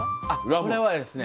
これはですね